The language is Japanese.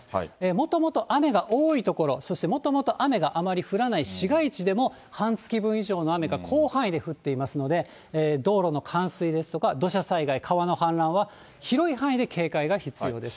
もともと雨が多い所、そしてもともと雨があまり降らない市街地でも、半月分以上の雨が広範囲で降っていますので、道路の冠水ですとか、土砂災害、川の氾濫は広い範囲で警戒が必要です。